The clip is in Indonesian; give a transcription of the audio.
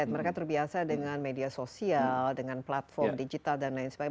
mereka terbiasa dengan media sosial dengan platform digital dan lain sebagainya